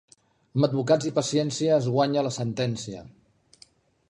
Amb advocats i paciència es guanya la sentència.